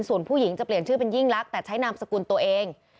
ส่วนผู้หญิงจะเปลี่ยนชื่อเป็นยิ่งรักแต่ใช้นามสกุลตัวเอง